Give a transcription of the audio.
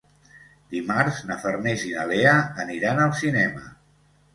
Dimarts na Farners i na Lea aniran al cinema.